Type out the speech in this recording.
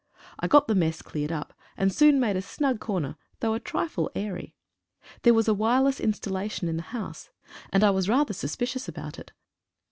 I got the mess cleared up, and soon made a snug corner, though a trifle airy. There was a wireless installation in the house, and I was 33 FROST BITE? rather suspicious about it.